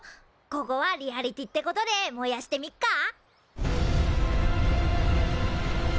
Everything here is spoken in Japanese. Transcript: ここはリアリティーってことで燃やしてみっか？